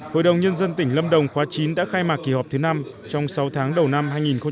hội đồng nhân dân tp hcm đã khai mạc kỳ họp thứ năm trong sáu tháng đầu năm hai nghìn một mươi tám